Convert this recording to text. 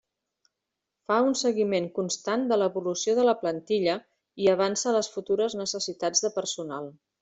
Fa un seguiment constant de l'evolució de la plantilla i avança les futures necessitats de personal.